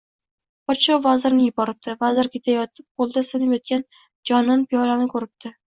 Podsho vazirini yuboribdi, vazir ketayotib yo‘lda sinib yotgan jonon piyolani ko‘ribdi